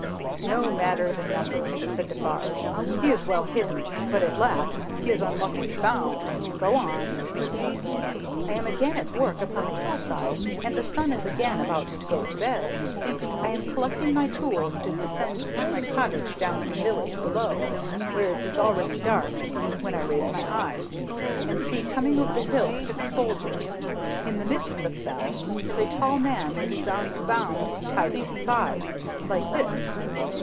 "No matter, the number," said Defarge. "He is well hidden, but at last he is unluckily found. Go on!" "I am again at work upon the hill side, and the sun is again about to go to bed. I am collecting my tools to descend to my cottage down in the village below, where it is already dark, when I raise my eyes, and see coming over the hill six soldiers. In the midst of them is a tall man with his arms bound tied to his sides like this!"